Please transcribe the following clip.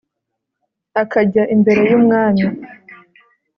akajya imbere y umwami